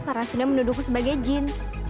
karena sudah menuduhku sebagai jin